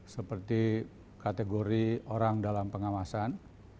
seperti kategori orang dalam pengawasan